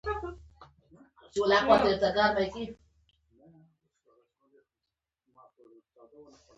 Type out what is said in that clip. جانداد د باور وړ ملګری دی.